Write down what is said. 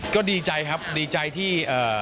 ก็ดีใจครับดีใจที่